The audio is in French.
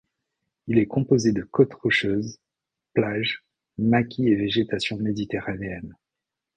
Il est composé de côtes rocheuses, plages, maquis et végétation méditerranéennes.